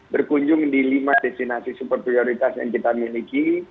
berkunjung di lima destinasi super prioritas yang kita miliki